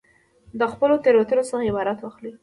د خپلو تېروتنو څخه عبرت واخلئ.